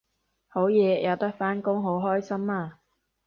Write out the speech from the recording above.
好嘢有得返工好開心啊！